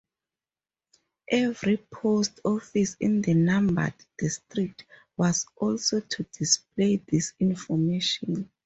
Every post office in the numbered district was also to display this information.